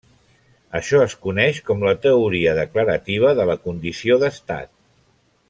Això es coneix com la teoria declarativa de la condició d'estat.